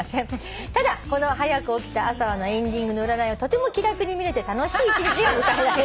「ただこの『はやく起きた朝は』のエンディングの占いはとても気楽に見れて楽しい１日が迎えられ」